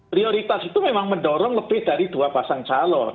prioritas itu memang mendorong lebih dari dua pasang calon